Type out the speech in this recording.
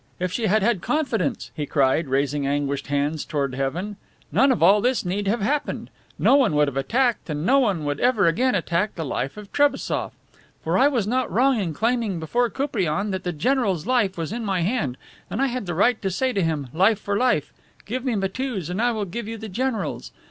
If she had had confidence," he cried, raising anguished hands towards heaven, "none of all this need have happened. No one would have attacked and no one would ever again attack the life of Trebassof. For I was not wrong in claiming before Koupriane that the general's life was in my hand, and I had the right to say to him, 'Life for life! Give me Matiew's and I will give you the general's.